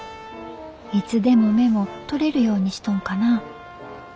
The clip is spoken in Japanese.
いつでもメモ取れるようにしとんかな。